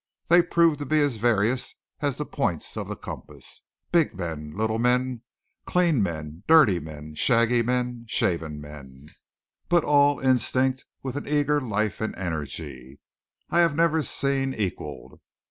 They proved to be as various as the points of the compass. Big men, little men, clean men, dirty men, shaggy men, shaven men, but all instinct with an eager life and energy I have never seen equalled.